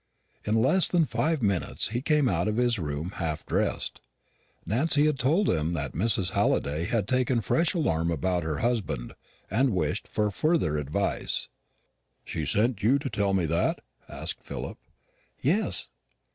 In less than five minutes he came out of his room half dressed. Nancy had told him that Mrs. Halliday had taken fresh alarm about her husband, and wished for further advice. "She sent you to tell me that?" asked Philip. "Yes."